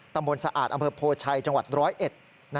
ตมสะอาจอำเภอโพแชยจร้อยเอ็ด